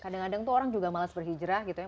kadang kadang tuh orang juga malas berhijrah gitu ya